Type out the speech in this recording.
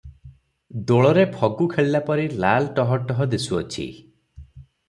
ଦୋଳରେ ଫଗୁ ଖେଳିଲାପରି ଲାଲ ଟହ ଟହ ଦିଶୁଅଛି ।